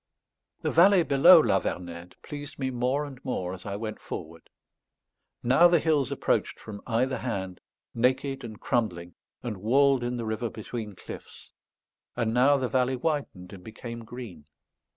The valley below La Vernède pleased me more and more as I went forward. Now the hills approached from either hand, naked and crumbling, and walled in the river between cliffs; and now the valley widened and became green.